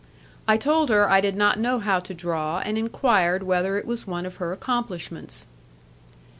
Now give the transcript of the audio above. I told her I did not know how to draw, and inquired whether it was one of her accomplishments.